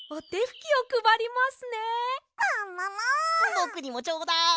ぼくにもちょうだい！